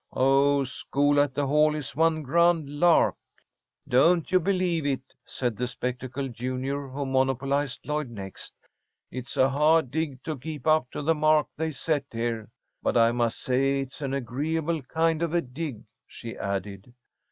Oh, school at the Hall is one grand lark!" "Don't you believe it," said the spectacled junior who monopolized Lloyd next. "It's a hard dig to keep up to the mark they set here. But I must say it is an agreeable kind of a dig," she added.